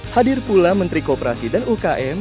hadir pula menteri kooperasi dan ukm